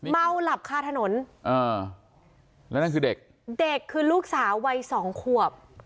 เมาหลับคาถนนอ่าแล้วนั่นคือเด็กเด็กคือลูกสาววัยสองขวบ